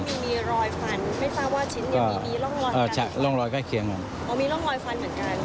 มีแต่รอยฟันไม่ทราบว่าชิ้นนี้มีร่องรอยเหมือนกันมีร่องรอยฟันเหมือนกัน